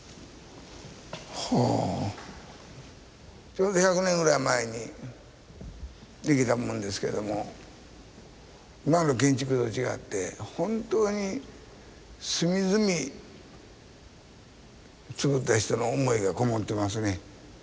ちょうど１００年ぐらい前に出来たものですけども今の建築と違って本当に隅々つくった人の思いがこもってますね。